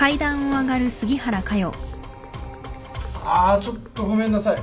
あちょっとごめんなさい。